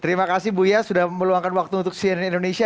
terima kasih buya sudah meluangkan waktu untuk cnn indonesia